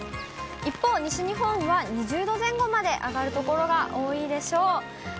一方、西日本は２０度前後まで上がる所が多いでしょう。